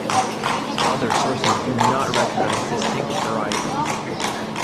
Other sources do not recognize distinct varieties.